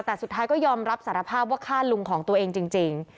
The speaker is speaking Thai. แต่สุดท้ายก็ยอมรับสารภาพว่าฆ่าลุงของตัวเองจริง